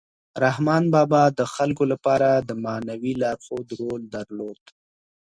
رحمان بابا د خلکو لپاره د معنوي لارښود رول درلود.